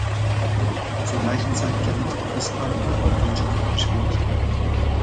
Zur gleichen Zeit geriet "Hispania" in wirtschaftliche Schwierigkeiten.